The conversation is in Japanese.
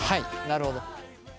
なるほど。